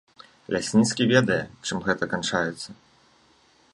Лясніцкі ведае, чым гэта канчаецца.